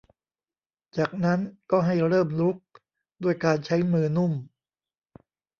จากนั้นก็ให้เริ่มรุกด้วยการใช้มือนุ่ม